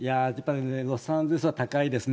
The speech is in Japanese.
ロサンゼルスは高いですね。